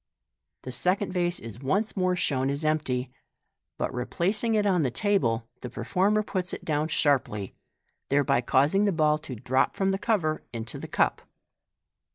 The second vase is once more shown empty j but in replacing it on the table, the performer puts it down sharply, thereby causing the ball tc drop from the cover into the cup.